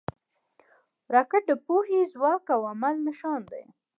راکټ د پوهې، ځواک او عمل نښان دی